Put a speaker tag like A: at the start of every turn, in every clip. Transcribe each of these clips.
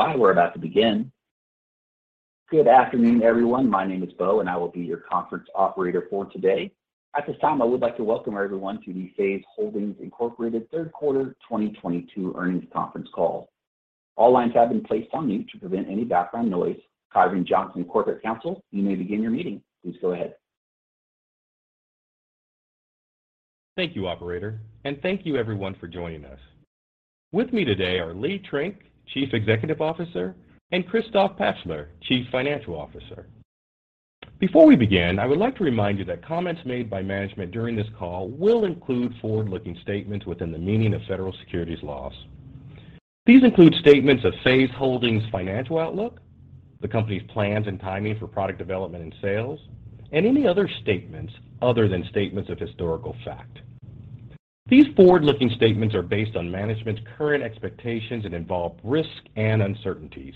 A: Please stand by. We're about to begin. Good afternoon, everyone. My name is Beau and I will be your conference operator for today. At this time, I would like to welcome everyone to the FaZe Holdings Inc. third quarter 2022 earnings conference call. All lines have been placed on mute to prevent any background noise. Kyron Johnson, Corporate Counsel, you may begin your meeting. Please go ahead.
B: Thank you, operator, and thank you everyone for joining us. With me today are Lee Trink, Chief Executive Officer, and Christoph Pachler, Chief Financial Officer. Before we begin, I would like to remind you that comments made by management during this call will include forward-looking statements within the meaning of federal securities laws. These include statements of FaZe Holdings financial outlook, the company's plans and timing for product development and sales, and any other statements other than statements of historical fact. These forward-looking statements are based on management's current expectations and involve risk and uncertainties.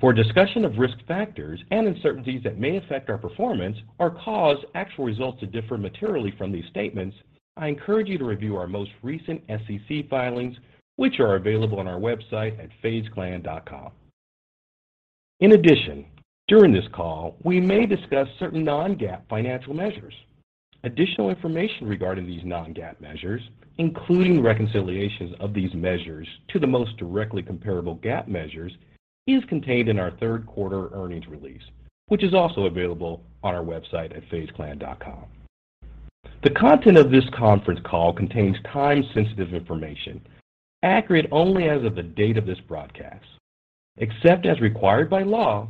B: For a discussion of risk factors and uncertainties that may affect our performance or cause actual results to differ materially from these statements, I encourage you to review our most recent SEC filings, which are available on our website at fazeclan.com. In addition, during this call, we may discuss certain non-GAAP financial measures. Additional information regarding these non-GAAP measures, including reconciliations of these measures to the most directly comparable GAAP measures, is contained in our third quarter earnings release, which is also available on our website at fazeclan.com. The content of this conference call contains time-sensitive information, accurate only as of the date of this broadcast. Except as required by law,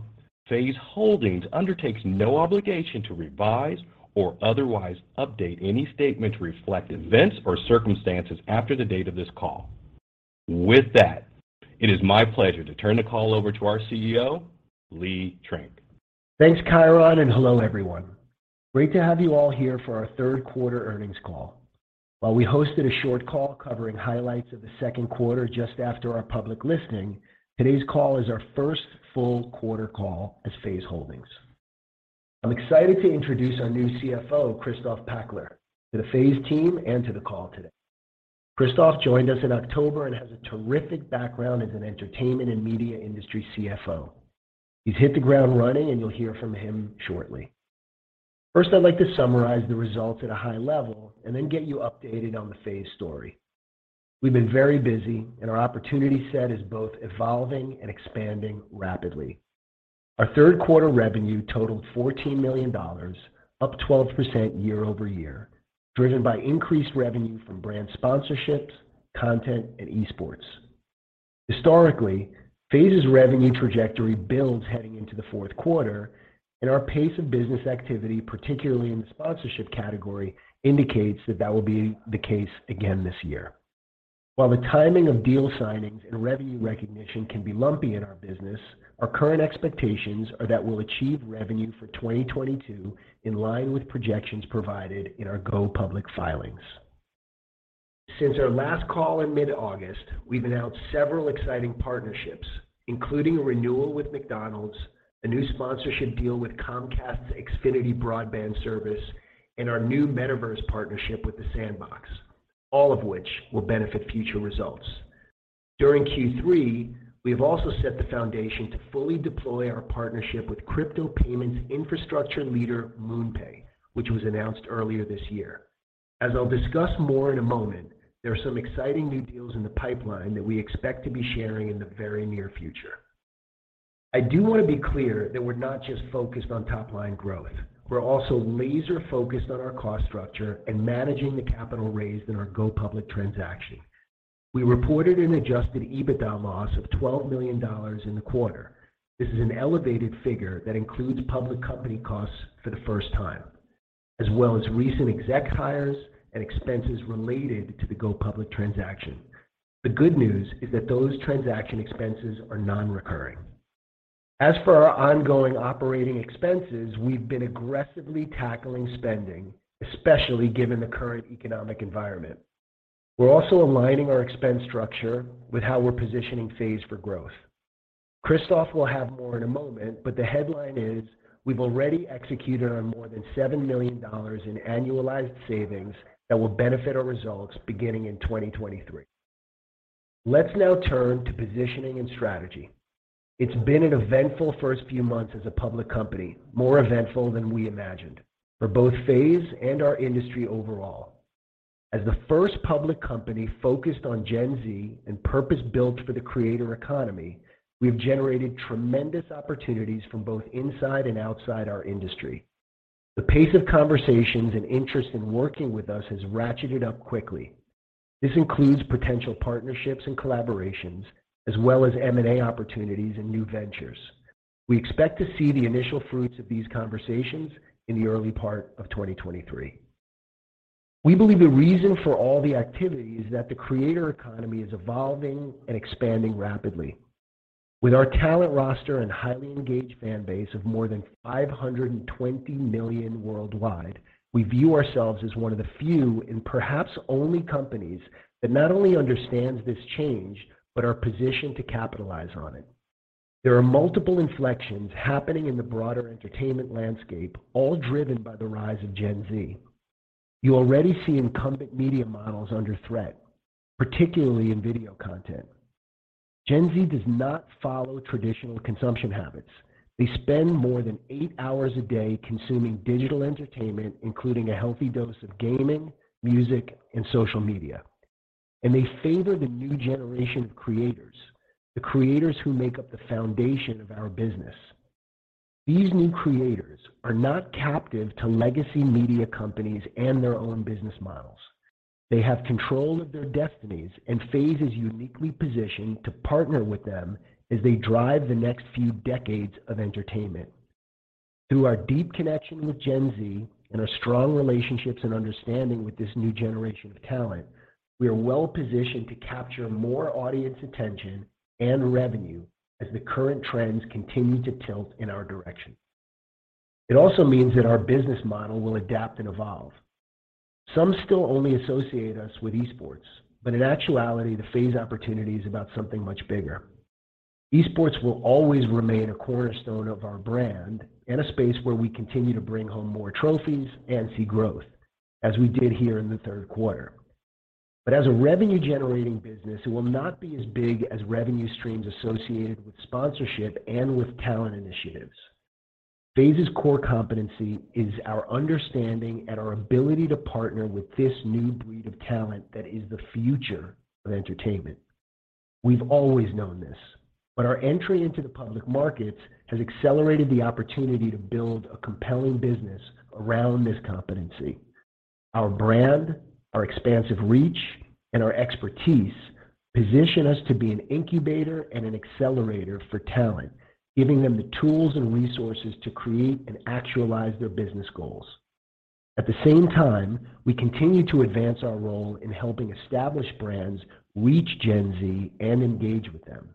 B: FaZe Holdings undertakes no obligation to revise or otherwise update any statement to reflect events or circumstances after the date of this call. With that, it is my pleasure to turn the call over to our CEO, Lee Trink.
C: Thanks, Kyron, and hello everyone. Great to have you all here for our third quarter earnings call. While we hosted a short call covering highlights of the second quarter just after our public listing, today's call is our first full quarter call as FaZe Holdings. I'm excited to introduce our new CFO, Christoph Pachler, to the FaZe team and to the call today. Christoph joined us in October and has a terrific background as an entertainment and media industry CFO. He's hit the ground running, and you'll hear from him shortly. First, I'd like to summarize the results at a high level and then get you updated on the FaZe story. We've been very busy and our opportunity set is both evolving and expanding rapidly. Our third quarter revenue totaled $14 million, up 12% year-over-year, driven by increased revenue from brand sponsorships, content, and esports. Historically, FaZe's revenue trajectory builds heading into the fourth quarter, and our pace of business activity, particularly in the sponsorship category, indicates that that will be the case again this year. While the timing of deal signings and revenue recognition can be lumpy in our business, our current expectations are that we'll achieve revenue for 2022 in line with projections provided in our go public filings. Since our last call in mid-August, we've announced several exciting partnerships, including a renewal with McDonald's, a new sponsorship deal with Comcast's Xfinity broadband service, and our new metaverse partnership with The Sandbox, all of which will benefit future results. During Q3, we have also set the foundation to fully deploy our partnership with crypto payments infrastructure leader MoonPay, which was announced earlier this year. As I'll discuss more in a moment, there are some exciting new deals in the pipeline that we expect to be sharing in the very near future. I do want to be clear that we're not just focused on top line growth. We're also laser focused on our cost structure and managing the capital raised in our go public transaction. We reported an adjusted EBITDA loss of $12 million in the quarter. This is an elevated figure that includes public company costs for the first time, as well as recent exec hires and expenses related to the go public transaction. The good news is that those transaction expenses are non-recurring. As for our ongoing operating expenses, we've been aggressively tackling spending, especially given the current economic environment. We're also aligning our expense structure with how we're positioning FaZe for growth. Christoph will have more in a moment, but the headline is we've already executed on more than $7 million in annualized savings that will benefit our results beginning in 2023. Let's now turn to positioning and strategy. It's been an eventful first few months as a public company, more eventful than we imagined for both FaZe and our industry overall. As the first public company focused on Gen Z and purpose-built for the creator economy, we've generated tremendous opportunities from both inside and outside our industry. The pace of conversations and interest in working with us has ratcheted up quickly. This includes potential partnerships and collaborations as well as M&A opportunities and new ventures. We expect to see the initial fruits of these conversations in the early part of 2023. We believe the reason for all the activity is that the creator economy is evolving and expanding rapidly. With our talent roster and highly engaged fan base of more than 520 million worldwide, we view ourselves as one of the few and perhaps only companies that not only understands this change, but are positioned to capitalize on it. There are multiple inflections happening in the broader entertainment landscape, all driven by the rise of Gen Z. You already see incumbent media models under threat, particularly in video content. Gen Z does not follow traditional consumption habits. They spend more than 8 hours a day consuming digital entertainment, including a healthy dose of gaming, music, and social media. They favor the new generation of creators, the creators who make up the foundation of our business. These new creators are not captive to legacy media companies and their own business models. They have control of their destinies, and FaZe is uniquely positioned to partner with them as they drive the next few decades of entertainment. Through our deep connection with Gen Z and our strong relationships and understanding with this new generation of talent, we are well-positioned to capture more audience attention and revenue as the current trends continue to tilt in our direction. It also means that our business model will adapt and evolve. Some still only associate us with esports, but in actuality, the FaZe opportunity is about something much bigger. Esports will always remain a cornerstone of our brand and a space where we continue to bring home more trophies and see growth, as we did here in the third quarter. As a revenue-generating business, it will not be as big as revenue streams associated with sponsorship and with talent initiatives. FaZe's core competency is our understanding and our ability to partner with this new breed of talent that is the future of entertainment. We've always known this, but our entry into the public markets has accelerated the opportunity to build a compelling business around this competency. Our brand, our expansive reach, and our expertise position us to be an incubator and an accelerator for talent, giving them the tools and resources to create and actualize their business goals. At the same time, we continue to advance our role in helping established brands reach Gen Z and engage with them.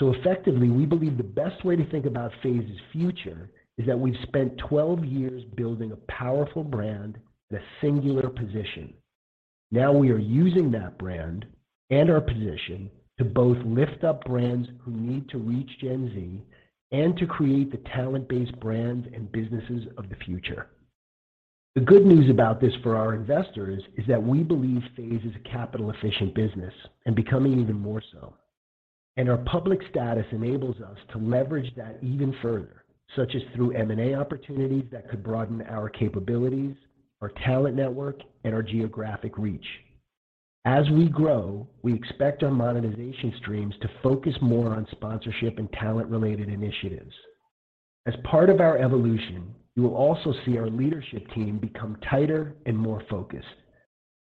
C: Effectively, we believe the best way to think about FaZe's future is that we've spent 12 years building a powerful brand in a singular position. Now we are using that brand and our position to both lift up brands who need to reach Gen Z and to create the talent-based brands and businesses of the future. The good news about this for our investors is that we believe FaZe is a capital-efficient business and becoming even more so. Our public status enables us to leverage that even further, such as through M&A opportunities that could broaden our capabilities, our talent network, and our geographic reach. As we grow, we expect our monetization streams to focus more on sponsorship and talent-related initiatives. As part of our evolution, you will also see our leadership team become tighter and more focused.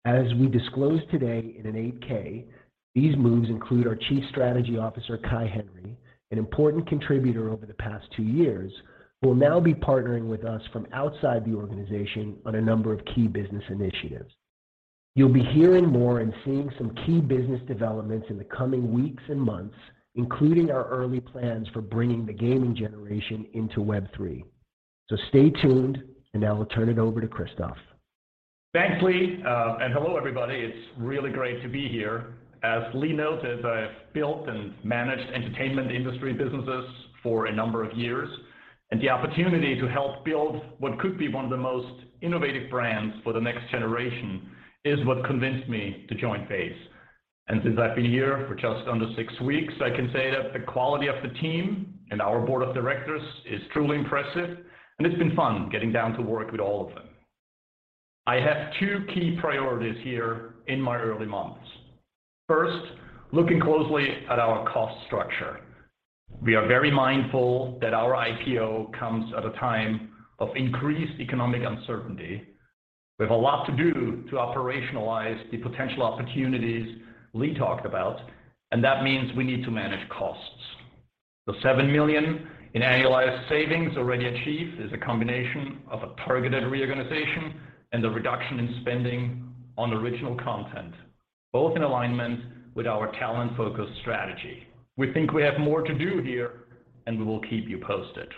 C: As we disclosed today in an 8-K, these moves include our Chief Strategy Officer, Kai Henry, an important contributor over the past two years, who will now be partnering with us from outside the organization on a number of key business initiatives. You'll be hearing more and seeing some key business developments in the coming weeks and months, including our early plans for bringing the gaming generation into Web3. Stay tuned, and now I'll turn it over to Christoph.
D: Thanks, Lee. Hello, everybody. It's really great to be here. As Lee noted, I have built and managed entertainment industry businesses for a number of years, and the opportunity to help build what could be one of the most innovative brands for the next generation is what convinced me to join FaZe. Since I've been here for just under six weeks, I can say that the quality of the team and our board of directors is truly impressive, and it's been fun getting down to work with all of them. I have two key priorities here in my early months. First, looking closely at our cost structure. We are very mindful that our IPO comes at a time of increased economic uncertainty. We have a lot to do to operationalize the potential opportunities Lee talked about, and that means we need to manage costs. The $7 million in annualized savings already achieved is a combination of a targeted reorganization and the reduction in spending on original content, both in alignment with our talent-focused strategy. We think we have more to do here, and we will keep you posted.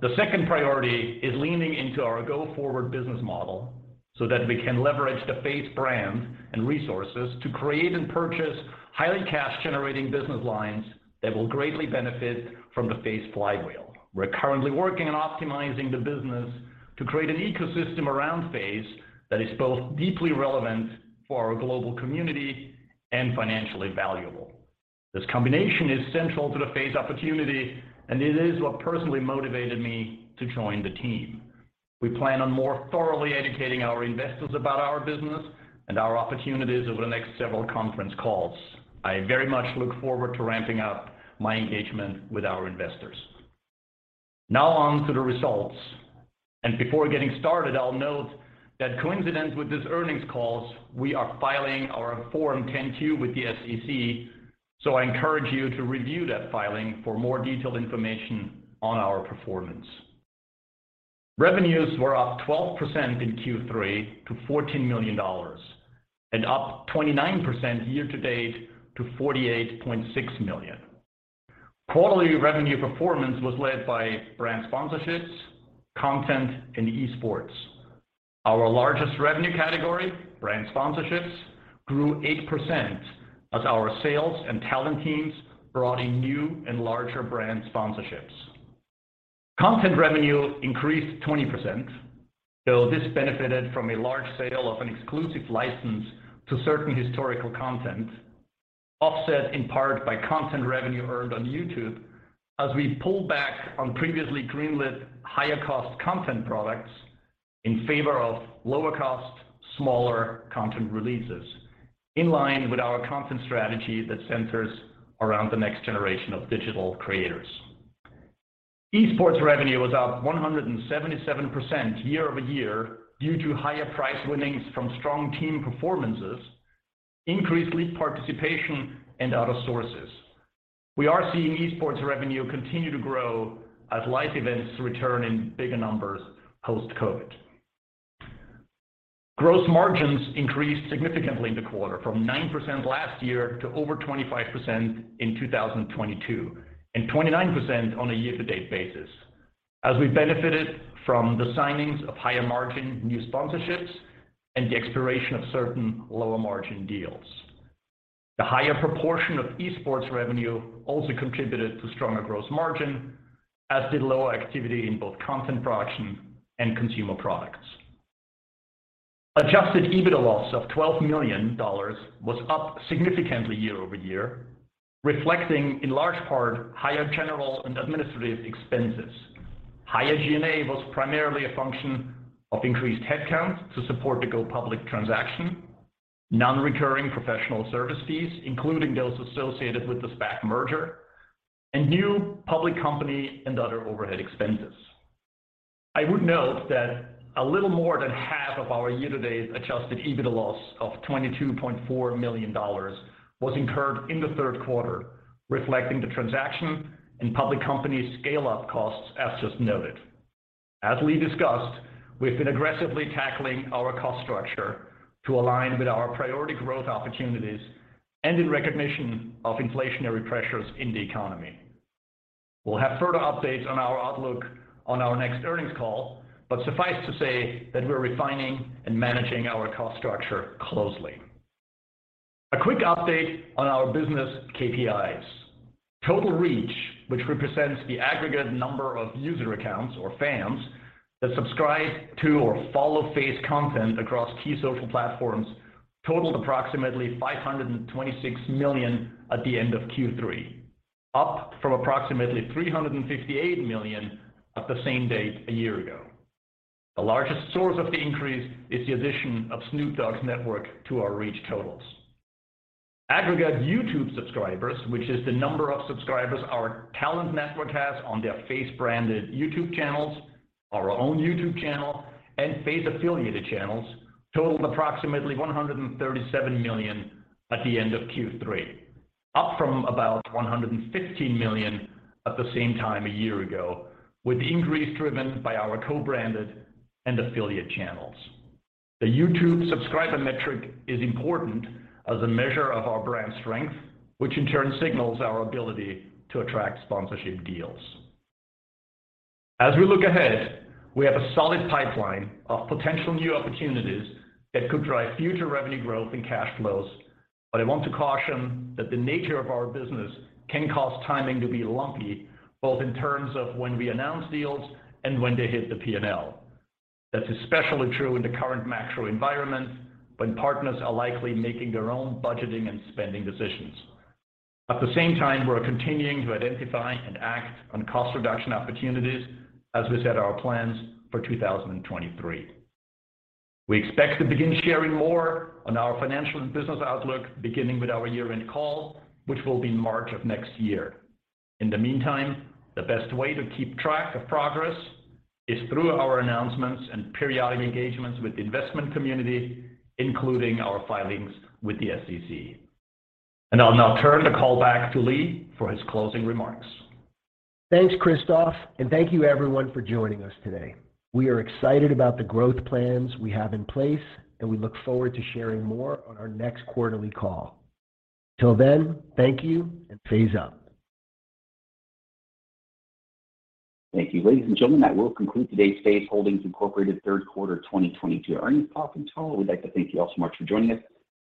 D: The second priority is leaning into our go-forward business model so that we can leverage the FaZe brand and resources to create and purchase highly cash-generating business lines that will greatly benefit from the FaZe flywheel. We're currently working on optimizing the business to create an ecosystem around FaZe that is both deeply relevant for our global community and financially valuable. This combination is central to the FaZe opportunity, and it is what personally motivated me to join the team. We plan on more thoroughly educating our investors about our business and our opportunities over the next several conference calls. I very much look forward to ramping up my engagement with our investors. Now on to the results. Before getting started, I'll note that coincident with this earnings call, we are filing our Form 10-Q with the SEC, so I encourage you to review that filing for more detailed information on our performance. Revenues were up 12% in Q3 to $14 million, and up 29% year-to-date to $48.6 million. Quarterly revenue performance was led by brand sponsorships, content, and esports. Our largest revenue category, brand sponsorships, grew 8% as our sales and talent teams brought in new and larger brand sponsorships. Content revenue increased 20%, though this benefited from a large sale of an exclusive license to certain historical content, offset in part by content revenue earned on YouTube as we pulled back on previously greenlit higher-cost content products in favor of lower-cost, smaller content releases in line with our content strategy that centers around the next generation of digital creators. Esports revenue was up 177% year-over-year due to higher prize winnings from strong team performances, increased league participation, and other sources. We are seeing esports revenue continue to grow as live events return in bigger numbers post-COVID. Gross margins increased significantly in the quarter from 9% last year to over 25% in 2022, and 29% on a year-to-date basis as we benefited from the signings of higher margin new sponsorships and the expiration of certain lower margin deals. The higher proportion of esports revenue also contributed to stronger gross margin, as did lower activity in both content production and consumer products. Adjusted EBITDA loss of $12 million was up significantly year-over-year, reflecting in large part higher general and administrative expenses. Higher G&A was primarily a function of increased headcount to support the go public transaction, non-recurring professional service fees, including those associated with the SPAC merger, and new public company and other overhead expenses. I would note that a little more than half of our year-to-date adjusted EBITDA loss of $22.4 million was incurred in the third quarter, reflecting the transaction and public company scale-up costs, as just noted. As Lee discussed, we've been aggressively tackling our cost structure to align with our priority growth opportunities and in recognition of inflationary pressures in the economy. We'll have further updates on our outlook on our next earnings call, but suffice to say that we're refining and managing our cost structure closely. A quick update on our business KPIs. Total reach, which represents the aggregate number of user accounts or fans that subscribe to or follow FaZe content across key social platforms, totaled approximately 526 million at the end of Q3, up from approximately 358 million at the same date a year ago. The largest source of the increase is the addition of Snoop Dogg's network to our reach totals. Aggregate YouTube subscribers, which is the number of subscribers our talent network has on their FaZe-branded YouTube channels, our own YouTube channel, and FaZe-affiliated channels totaled approximately 137 million at the end of Q3, up from about 115 million at the same time a year ago, with the increase driven by our co-branded and affiliate channels. The YouTube subscriber metric is important as a measure of our brand strength, which in turn signals our ability to attract sponsorship deals. As we look ahead, we have a solid pipeline of potential new opportunities that could drive future revenue growth and cash flows, but I want to caution that the nature of our business can cause timing to be lumpy, both in terms of when we announce deals and when they hit the P&L. That's especially true in the current macro environment, when partners are likely making their own budgeting and spending decisions. At the same time, we're continuing to identify and act on cost reduction opportunities as we set our plans for 2023. We expect to begin sharing more on our financial and business outlook beginning with our year-end call, which will be March of next year. In the meantime, the best way to keep track of progress is through our announcements and periodic engagements with the investment community, including our filings with the SEC. I'll now turn the call back to Lee for his closing remarks.
C: Thanks, Christoph, and thank you everyone for joining us today. We are excited about the growth plans we have in place, and we look forward to sharing more on our next quarterly call. Till then, thank you, and FaZe up.
A: Thank you. Ladies and gentlemen, that will conclude today's FaZe Holdings Inc. third quarter 2022 earnings conference call. We'd like to thank you all so much for joining us,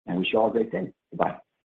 A: and wish you all a great day. Bye-bye.